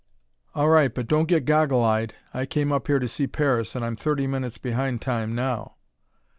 "All right, but don't get goggle eyed. I came up here to see Paris, and I'm thirty minutes behind time now."